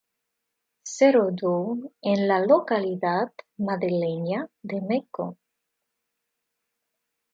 Se rodó en la localidad madrileña de Meco.